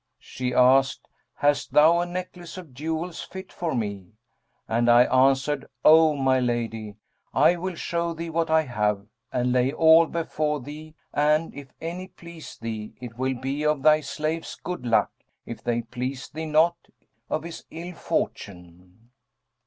She asked, 'Hast thou a necklace of jewels fit for me?' and I answered, 'O my lady, I will show thee what I have; and lay all before thee and, if any please thee, it will be of thy slave's good luck; if they please thee not, of his ill fortune.'